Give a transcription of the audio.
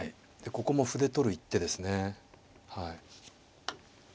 ここも歩で取る一手ですね。